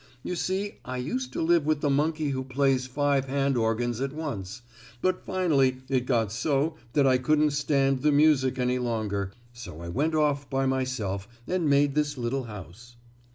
You see I used to live with the monkey who plays five hand organs at once, but finally it got so that I couldn't stand the music any longer, so I went off by myself and made this little house."